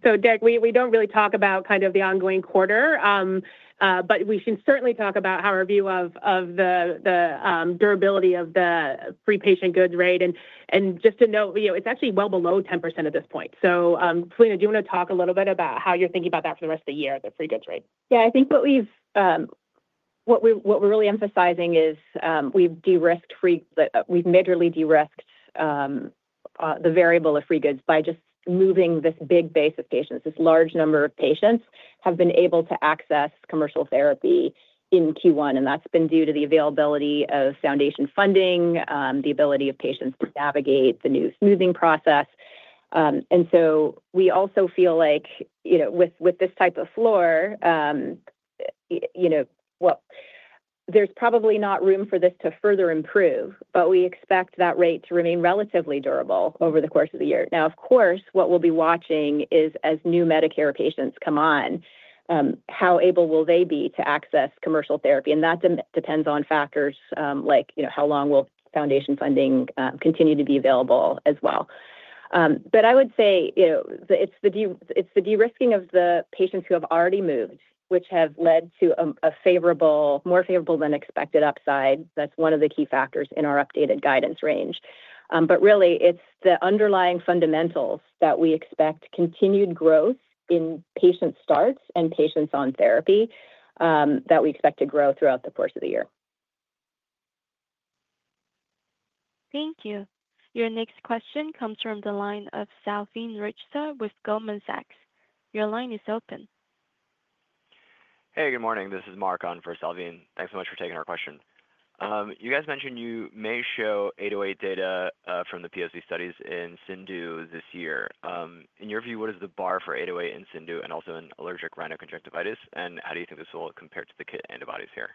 Derek, we don't really talk about kind of the ongoing quarter, but we can certainly talk about how our view of the durability of the free patient goods rate. And just to note, it's actually well below 10% at this point. Philina, do you want to talk a little bit about how you're thinking about that for the rest of the year, the free goods rate? Yeah, I think what we're really emphasizing is we've de-risked free, we've majorly de-risked the variable of free goods by just moving this big base of patients. This large number of patients have been able to access commercial therapy in Q1, and that's been due to the availability of foundation funding, the ability of patients to navigate the new smoothing process. We also feel like with this type of floor, there's probably not room for this to further improve, but we expect that rate to remain relatively durable over the course of the year. Now, of course, what we'll be watching is as new Medicare patients come on, how able will they be to access commercial therapy? That depends on factors like how long will foundation funding continue to be available as well. I would say it's the de-risking of the patients who have already moved, which has led to a more favorable than expected upside. That's one of the key factors in our updated guidance range. Really, it's the underlying fundamentals that we expect continued growth in patient starts and patients on therapy that we expect to grow throughout the course of the year. Thank you. Your next question comes from the line of Salveen Richter with Goldman Sachs. Your line is open. Hey, good morning. This is Marc on for Salveen. Thanks so much for taking our question. You guys mentioned you may show 808 data from the POC studies in CIndU this year. In your view, what is the bar for 808 in CIndU and also in allergic rhinoconjunctivitis? How do you think this will compare to the KIT antibodies here?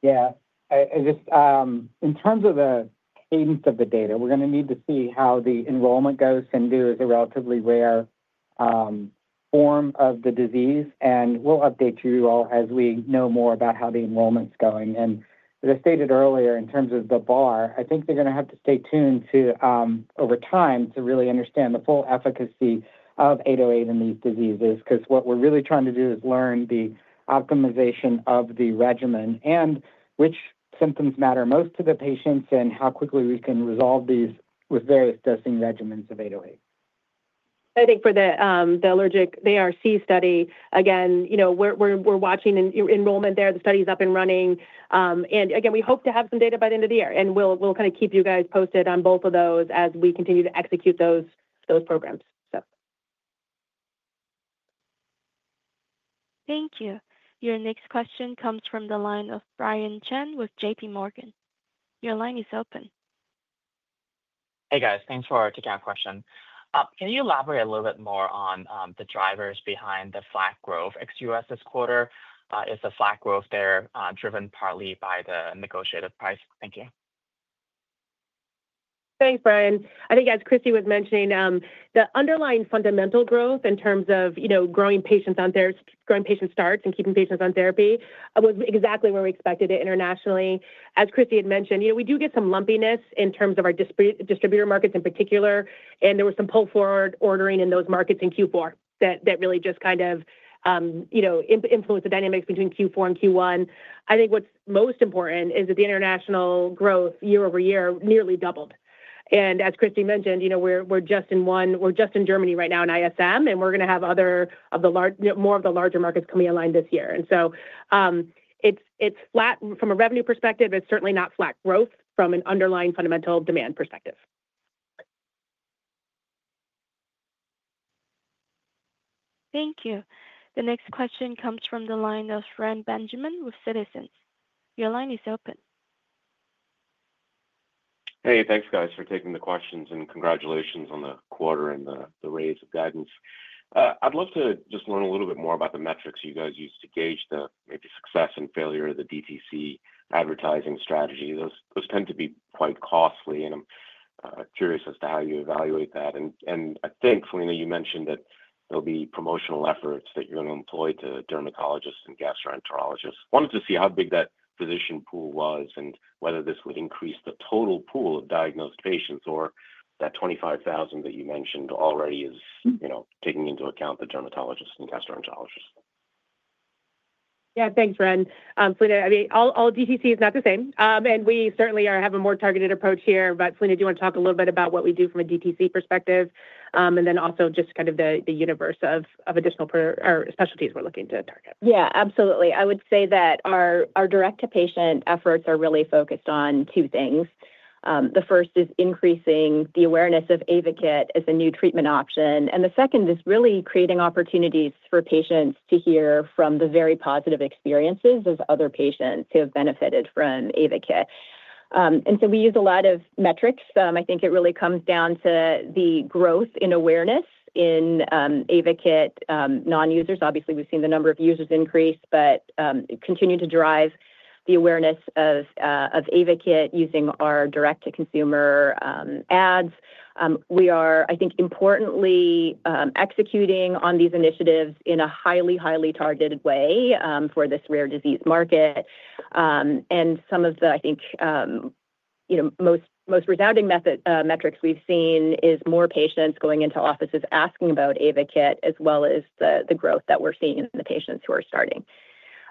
Yeah. In terms of the cadence of the data, we're going to need to see how the enrollment goes. ISM is a relatively rare form of the disease, and we'll update you all as we know more about how the enrollment's going. As I stated earlier, in terms of the bar, I think they're going to have to stay tuned over time to really understand the full efficacy of 808 in these diseases because what we're really trying to do is learn the optimization of the regimen and which symptoms matter most to the patients and how quickly we can resolve these with various dosing regimens of 808. I think for the allergic ARC study, again, we're watching enrollment there. The study is up and running. Again, we hope to have some data by the end of the year. We'll kind of keep you guys posted on both of those as we continue to execute those programs. Thank you. Your next question comes from the line of Brian Cheng with JP Morgan. Your line is open. Hey, guys. Thanks for taking our question. Can you elaborate a little bit more on the drivers behind the flat growth? ex-U.S. this quarter, is the flat growth there driven partly by the negotiated price? Thank you. Thanks, Brian. I think, as Christy was mentioning, the underlying fundamental growth in terms of growing patients on there, growing patient starts, and keeping patients on therapy was exactly where we expected it internationally. As Christy had mentioned, we do get some lumpiness in terms of our distributor markets in particular. There was some pull-forward ordering in those markets in Q4 that really just kind of influenced the dynamics between Q4 and Q1. I think what's most important is that the international growth year over year nearly doubled. As Christy mentioned, we're just in Germany right now in ISM, and we're going to have more of the larger markets coming in line this year. It is flat from a revenue perspective, but it's certainly not flat growth from an underlying fundamental demand perspective. Thank you. The next question comes from the line of Reni Benjamin with Citizens. Your line is open. Hey, thanks, guys, for taking the questions and congratulations on the quarter and the raise of guidance. I'd love to just learn a little bit more about the metrics you guys use to gauge the maybe success and failure of the DTC advertising strategy. Those tend to be quite costly, and I'm curious as to how you evaluate that. I think, Philina, you mentioned that there'll be promotional efforts that you're going to employ to dermatologists and gastroenterologists. I wanted to see how big that physician pool was and whether this would increase the total pool of diagnosed patients or that 25,000 that you mentioned already is taking into account the dermatologists and gastroenterologists. Yeah, thanks, Reni. Philina, I mean, all DTC is not the same. We certainly are having a more targeted approach here. Philina, do you want to talk a little bit about what we do from a DTC perspective and then also just kind of the universe of additional specialties we're looking to target? Yeah, absolutely. I would say that our direct-to-patient efforts are really focused on two things. The first is increasing the awareness of AYVAKIT as a new treatment option. The second is really creating opportunities for patients to hear from the very positive experiences of other patients who have benefited from AYVAKIT. We use a lot of metrics. I think it really comes down to the growth in awareness in AYVAKIT non-users. Obviously, we've seen the number of users increase, but continue to drive the awareness of AYVAKIT using our direct-to-consumer ads. We are, I think, importantly executing on these initiatives in a highly, highly targeted way for this rare disease market. Some of the, I think, most resounding metrics we've seen is more patients going into offices asking about AYVAKIT as well as the growth that we're seeing in the patients who are starting.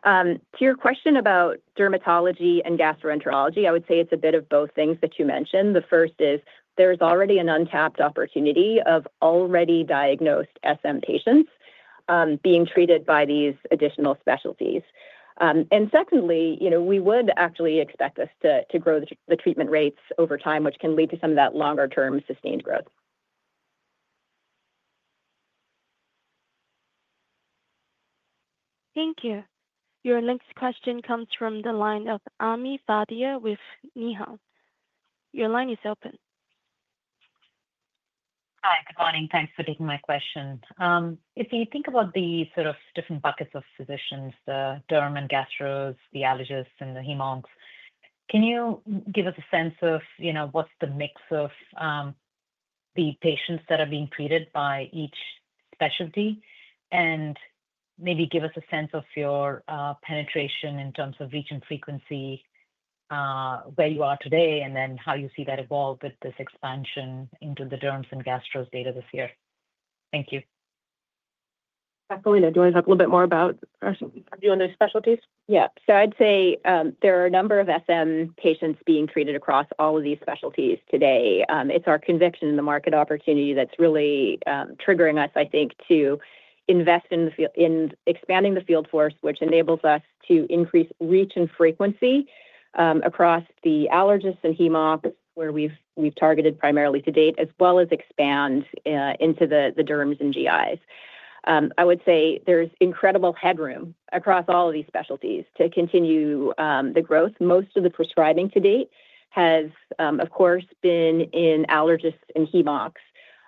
To your question about dermatology and gastroenterology, I would say it's a bit of both things that you mentioned. The first is there's already an untapped opportunity of already diagnosed SM patients being treated by these additional specialties. Secondly, we would actually expect us to grow the treatment rates over time, which can lead to some of that longer-term sustained growth. Thank you. Your next question comes from the line of Ami Fadia with Needham. Your line is open. Hi, good morning. Thanks for taking my question. If you think about the sort of different buckets of physicians, the derm and gastros, the allergists, and the Hem/Oncs, can you give us a sense of what's the mix of the patients that are being treated by each specialty? Maybe give us a sense of your penetration in terms of reach and frequency, where you are today, and how you see that evolve with this expansion into the derms and gastros data this year. Thank you. Philina, do you want to talk a little bit more about those specialties? Yeah. I'd say there are a number of SM patients being treated across all of these specialties today. It's our conviction in the market opportunity that's really triggering us, I think, to invest in expanding the field force, which enables us to increase reach and frequency across the allergists and hematologists, where we've targeted primarily to date, as well as expand into the derms and GIs. I would say there's incredible headroom across all of these specialties to continue the growth. Most of the prescribing to date has, of course, been in allergists and hematologists.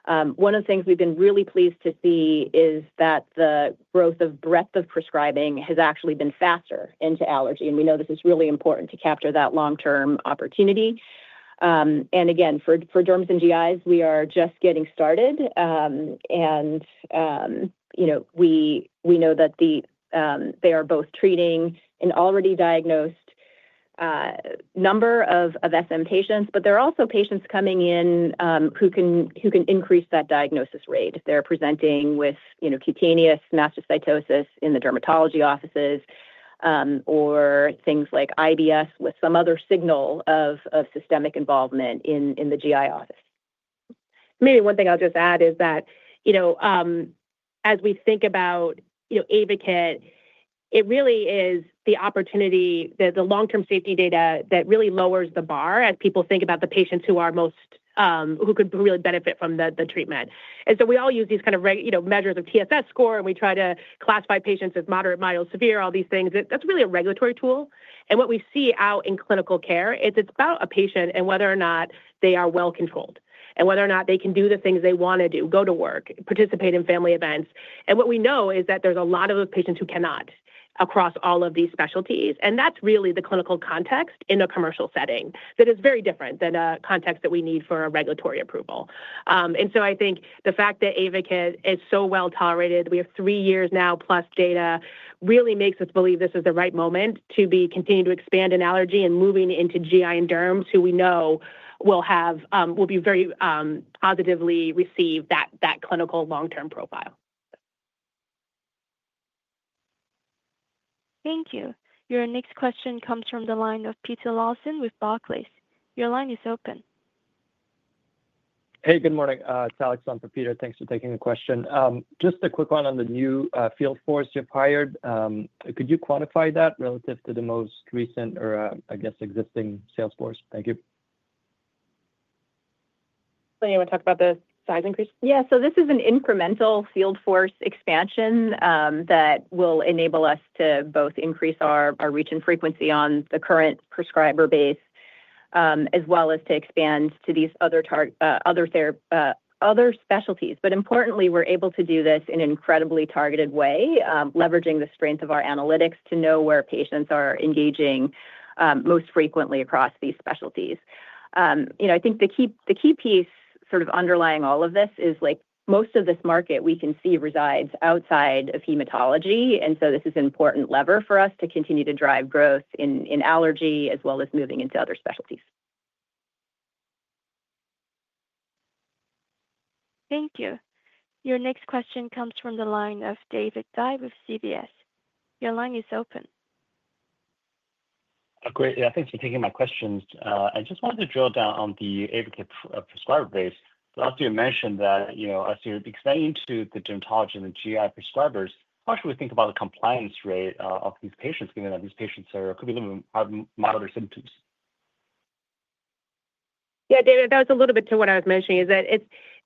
One of the things we've been really pleased to see is that the growth of breadth of prescribing has actually been faster into allergy. We know this is really important to capture that long-term opportunity. Again, for derms and GIs, we are just getting started. We know that they are both treating an already diagnosed number of SM patients, but there are also patients coming in who can increase that diagnosis rate. They're presenting with cutaneous mastocytosis in the dermatology offices or things like IBS with some other signal of systemic involvement in the GI office. Maybe one thing I'll just add is that as we think about AYVAKIT, it really is the opportunity, the long-term safety data that really lowers the bar as people think about the patients who could really benefit from the treatment. We all use these kind of measures of TSS score, and we try to classify patients as moderate, mild, severe, all these things. That's really a regulatory tool. What we see out in clinical care is it's about a patient and whether or not they are well controlled and whether or not they can do the things they want to do, go to work, participate in family events. What we know is that there's a lot of patients who cannot across all of these specialties. That's really the clinical context in a commercial setting that is very different than a context that we need for a regulatory approval. I think the fact that AYVAKIT is so well tolerated, we have three years now plus data, really makes us believe this is the right moment to continue to expand in allergy and moving into GI and derms who we know will very positively receive that clinical long-term profile. Thank you. Your next question comes from the line of Peter Lawson with Barclays. Your line is open. Hey, good morning. It's Alex on for Peter. Thanks for taking the question. Just a quick one on the new field force you've hired. Could you quantify that relative to the most recent or, I guess, existing sales force? Thank you. Philina, do you want to talk about the size increase? Yeah. This is an incremental field force expansion that will enable us to both increase our reach and frequency on the current prescriber base as well as to expand to these other specialties. Importantly, we're able to do this in an incredibly targeted way, leveraging the strength of our analytics to know where patients are engaging most frequently across these specialties. I think the key piece sort of underlying all of this is most of this market we can see resides outside of hematology. This is an important lever for us to continue to drive growth in allergy as well as moving into other specialties. Thank you. Your next question comes from the line of David Dai with UBS. Your line is open. Great. Yeah, thanks for taking my questions. I just wanted to drill down on the AYVAKIT prescriber base. Lastly, you mentioned that as you're expanding to the dermatology and the GI prescribers, how should we think about the compliance rate of these patients, given that these patients could be living with milder symptoms? Yeah, David, that was a little bit to what I was mentioning, is that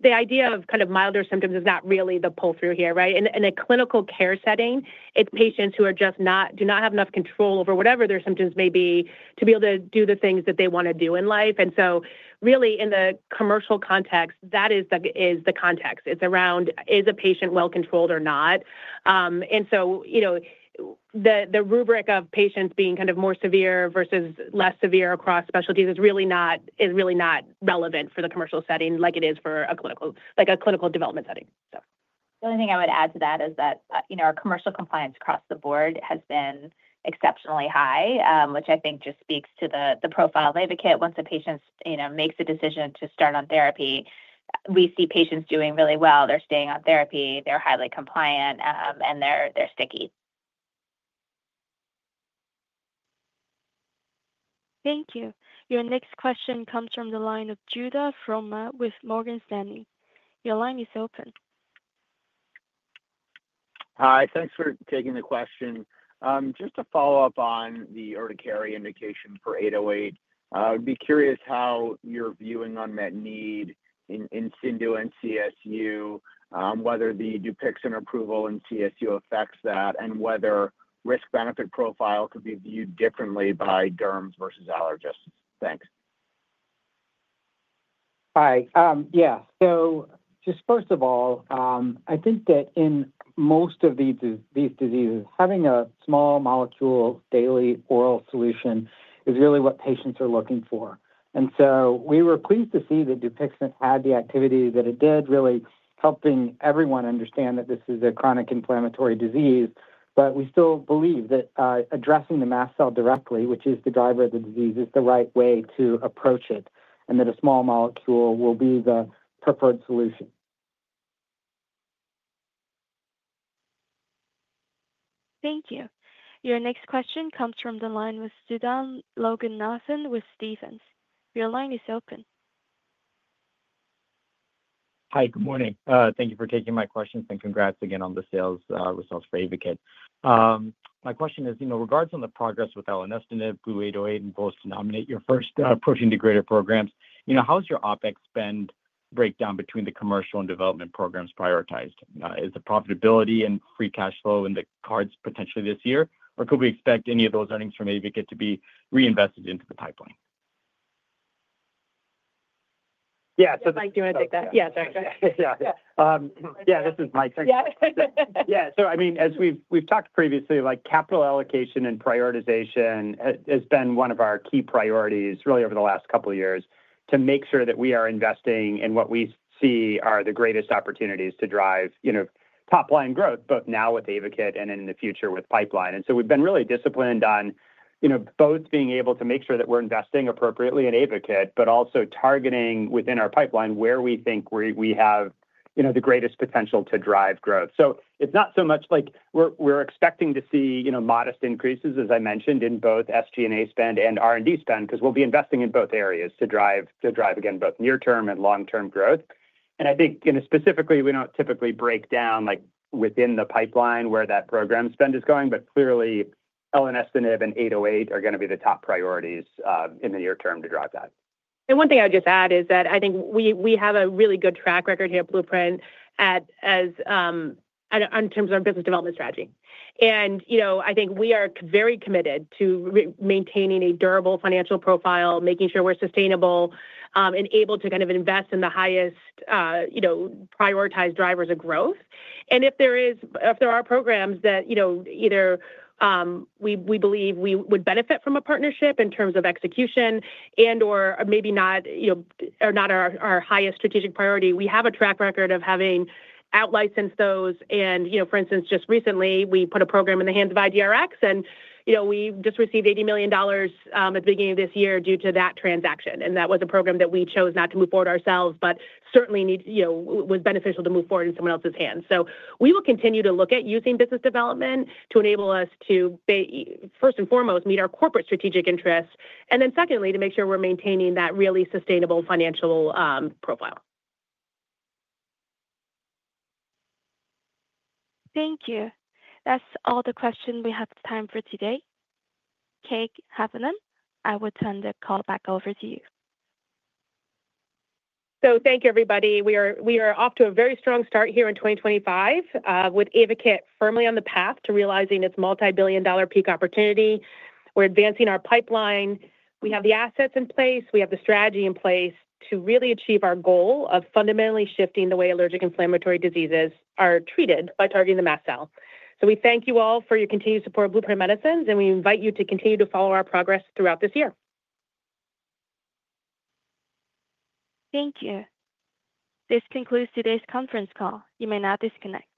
the idea of kind of milder symptoms is not really the pull-through here, right? In a clinical care setting, it's patients who do not have enough control over whatever their symptoms may be to be able to do the things that they want to do in life. Really, in the commercial context, that is the context. It's around, is a patient well controlled or not? The rubric of patients being kind of more severe versus less severe across specialties is really not relevant for the commercial setting like it is for a clinical development setting. The only thing I would add to that is that our commercial compliance across the board has been exceptionally high, which I think just speaks to the profile of AYVAKIT. Once a patient makes a decision to start on therapy, we see patients doing really well. They're staying on therapy. They're highly compliant, and they're sticky. Thank you. Your next question comes from the line of Judah Frommer with Morgan Stanley. Your line is open. Hi, thanks for taking the question. Just to follow up on the urticaria indication for 808, I'd be curious how you're viewing on that need in CIndU and CSU, whether the Dupixent approval in CSU affects that, and whether risk-benefit profile could be viewed differently by derms versus allergists. Thanks. Hi. Yeah. Just first of all, I think that in most of these diseases, having a small molecule daily oral solution is really what patients are looking for. We were pleased to see that Dupixent had the activity that it did, really helping everyone understand that this is a chronic inflammatory disease. We still believe that addressing the mast cell directly, which is the driver of the disease, is the right way to approach it and that a small molecule will be the preferred solution. Thank you. Your next question comes from the line with Sudan Loganathan with Stephens. Your line is open. Hi, good morning. Thank you for taking my questions and congrats again on the sales results for AYVAKIT. My question is, in regards to the progress with elenestinib, BLU-808, and both to nominate your first protein degrader programs, how is your OpEx spend breakdown between the commercial and development programs prioritized? Is the profitability and free cash flow in the cards potentially this year, or could we expect any of those earnings from AYVAKIT to be reinvested into the pipeline? Yeah. This is. Mike, do you want to take that? Yeah, sorry. Yeah. Yeah, this is Mike. Yeah. Yeah. So I mean, as we've talked previously, capital allocation and prioritization has been one of our key priorities really over the last couple of years to make sure that we are investing in what we see are the greatest opportunities to drive top-line growth, both now with AYVAKIT and in the future with pipeline. We've been really disciplined on both being able to make sure that we're investing appropriately in AYVAKIT, but also targeting within our pipeline where we think we have the greatest potential to drive growth. It's not so much like we're expecting to see modest increases, as I mentioned, in both SG&A spend and R&D spend, because we'll be investing in both areas to drive, again, both near-term and long-term growth. I think specifically, we do not typically break down within the pipeline where that program spend is going, but clearly, elenestinib and 808 are going to be the top priorities in the near term to drive that. One thing I would just add is that I think we have a really good track record here at Blueprint in terms of our business development strategy. I think we are very committed to maintaining a durable financial profile, making sure we're sustainable and able to kind of invest in the highest prioritized drivers of growth. If there are programs that either we believe we would benefit from a partnership in terms of execution and/or maybe not our highest strategic priority, we have a track record of having out-licensed those. For instance, just recently, we put a program in the hands of IDRx, and we just received $80 million at the beginning of this year due to that transaction. That was a program that we chose not to move forward ourselves, but certainly was beneficial to move forward in someone else's hands. We will continue to look at using business development to enable us to, first and foremost, meet our corporate strategic interests, and then secondly, to make sure we're maintaining that really sustainable financial profile. Thank you. That's all the questions we have time for today. Kate Haviland, I will turn the call back over to you. Thank you, everybody. We are off to a very strong start here in 2025 with AYVAKIT firmly on the path to realizing its multi-billion dollar peak opportunity. We're advancing our pipeline. We have the assets in place. We have the strategy in place to really achieve our goal of fundamentally shifting the way allergic inflammatory diseases are treated by targeting the mast cell. We thank you all for your continued support of Blueprint Medicines, and we invite you to continue to follow our progress throughout this year. Thank you. This concludes today's conference call. You may now disconnect.